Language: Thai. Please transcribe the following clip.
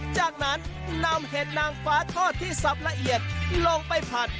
จากนั้นนำเห็ดนางฟ้าทอดที่สับละเอียดลงไปผัด